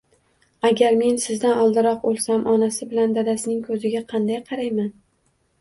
Agar men sizdan oldinroq oʻlsam, onasi bilan dadasining koʻziga qanday qarayman?